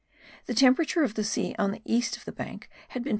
The temperature of the sea on the east of the bank had been 26.